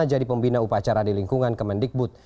jadi pembina upacara di lingkungan kemendikbud